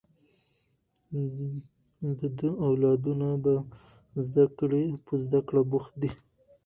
د ده اولادونه په زده کړې بوخت دي